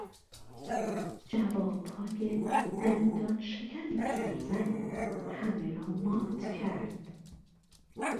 جوابهای دندانشکن پیرزن همه را مات کرد.